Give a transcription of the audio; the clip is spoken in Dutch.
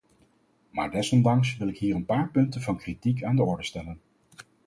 Maar desondanks wil ik hier een paar punten van kritiek aan de orde stellen.